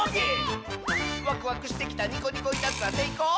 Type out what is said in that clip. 「ワクワクしてきたニコニコいたずら」「せいこう？